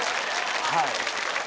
はい。